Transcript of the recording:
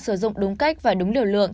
sử dụng đúng cách và đúng điều lượng